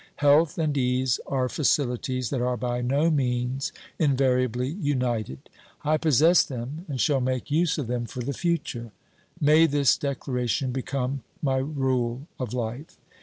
Health and ease are facilities that are by no means invariably united ; I possess them and shall make use of them for the future. May this declaration become my rule of life